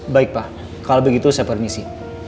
baik pak kalau begitu saya permisi